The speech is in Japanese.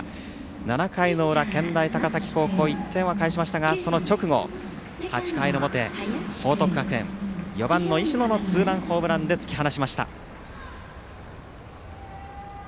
７回の裏、健大高崎高校１点は返しましたがその直後、８回の表報徳学園、４番の石野のツーランホームランで突き放しました。